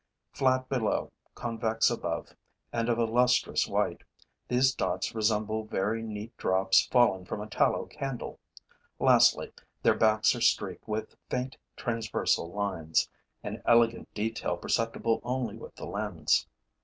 Flat below, convex above and of a lustrous white, these dots resemble very neat drops fallen from a tallow candle. Lastly, their backs are streaked with faint transversal lines, an elegant detail perceptible only with the lens.